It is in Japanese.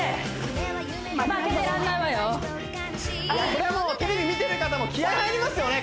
そりゃもうテレビ見てる方も気合い入りますよね